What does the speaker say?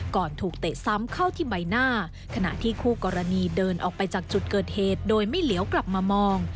ถูกเตะซ้ำเข้าที่ใบหน้าขณะที่คู่กรณีเดินออกไปจากจุดเกิดเหตุโดยไม่เหลียวกลับมามอง